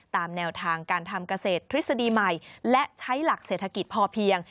ตามแนวทางการทำเกษตรทฤษฎีใหม่และใช้หลักเศรษฐกิจพอเพียง